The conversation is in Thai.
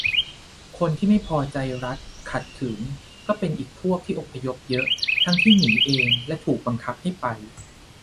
คนที่ไม่พอใจรัฐ ขัดขืน ก็เป็นอีกพวกที่อพยพเยอะ ทั้งที่หนีเองและถูกบังคับให้ไป